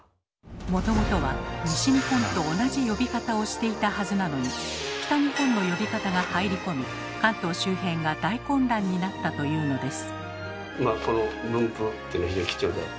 もともとは西日本と同じ呼び方をしていたはずなのに北日本の呼び方が入り込み関東周辺が大混乱になったというのです。